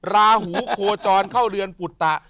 ราหูโคจรเข้าเรือนปุตตะ